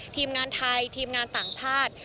ทีมงานไทยทีมงานต่างชาติ